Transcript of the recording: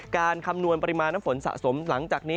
คำนวณปริมาณน้ำฝนสะสมหลังจากนี้